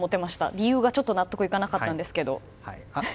理由が納得いかなかったんですけど。